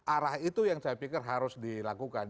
arah itu yang saya pikir harus dilakukan